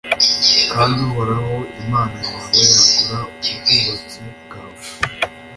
kandi uhoraho imana yawe yagura ubwatsi bwawe,